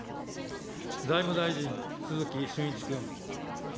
財務大臣、鈴木俊一君。